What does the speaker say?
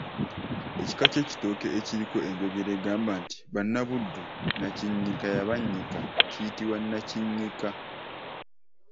Ekika ky’ekitooke ekiriko enjogera egamba nti “Bannabuddu Nnakinnyika yabannyika” kiyitibwa Nnakinnyika.